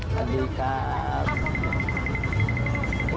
สวัสดีครับ